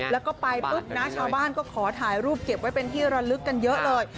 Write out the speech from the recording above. แล้วก็ไปปุ๊บนะชาวบ้านก็ขอถ่ายรูปเก็บไว้เป็นที่ระลึกกันเยอะเลย